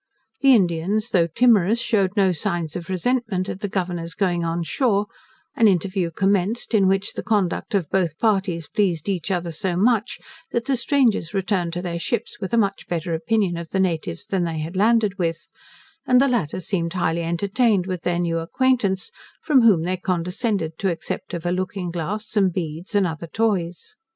The Indians, though timorous, shewed no signs of resentment at the Governor's going on shore; an interview commenced, in which the conduct of both parties pleased each other so much, that the strangers returned to their ships with a much better opinion of the natives than they had landed with; and the latter seemed highly entertained with their new acquaintance, from whom they condescended to accept of a looking glass, some beads, and other toys.